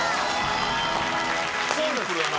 シンプルやな。